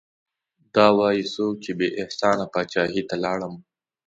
دا وايي څوک چې بې احسانه پاچاهي ته لاړم